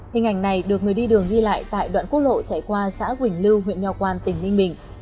hình ảnh này được người đi đường ghi lại tại đoạn quốc lộ chạy qua xã quỳnh lưu huyện nho quan tỉnh ninh bình